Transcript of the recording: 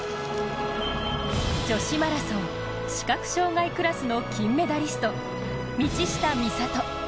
女子マラソン視覚障がいクラスの金メダリスト道下美里。